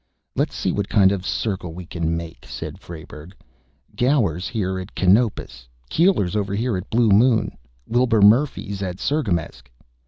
"Let's see what kind of circle we can make," said Frayberg. "Gower's here at Canopus, Keeler's over here at Blue Moon, Wilbur Murphy's at Sirgamesk